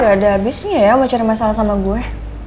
lu tuh gak ada abisnya ya mau cari masalah sama gue